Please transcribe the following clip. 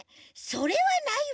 それはないわ。